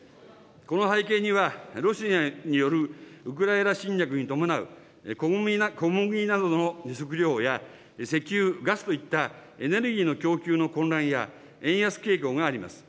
この背景には、ロシアによるウクライナ侵略に伴う小麦などの食料や石油・ガスといったエネルギーの供給の混乱や円安傾向があります。